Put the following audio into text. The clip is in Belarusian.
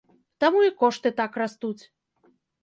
Таму і кошты так растуць.